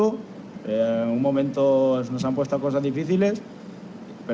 pada suatu saat ini kita memiliki hal hal yang sulit